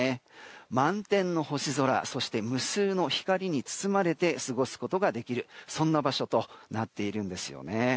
満天の星空そして無数の光に包まれて過ごすことができるそんな場所となっています。